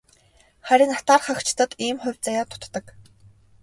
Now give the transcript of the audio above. Харин атаархагчдад ийм хувь заяа дутдаг.